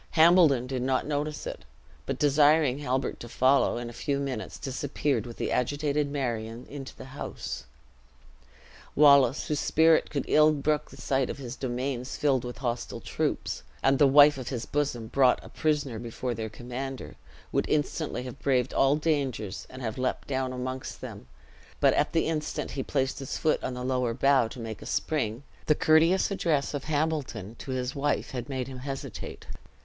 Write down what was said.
Hambledon did not notice it; but desiring Halbert to follow, in a few minutes disappeared with the agitated Marion into the house. Wallace, whose spirit could ill brook the sight of his domains filled with hostile troops, and the wife of his bosom brought a prisoner before their commander, would instantly have braved all dangers, and have leaped down amongst them; but at the instant he placed his foot on a lower bough to make a spring, the courteous address of Hambledon to his wife had made him hesitate.